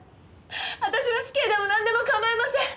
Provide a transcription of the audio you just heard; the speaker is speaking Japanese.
私は死刑でもなんでも構いません！